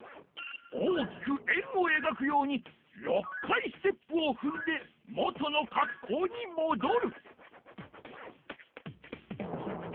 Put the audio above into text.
大きく円をえがくように６回ステップをふんで元のかっこうにもどる。